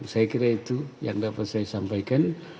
saya kira itu yang dapat saya sampaikan